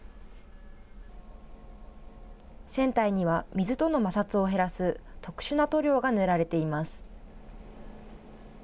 船体には水との摩擦を減らす特殊な塗料が塗られています。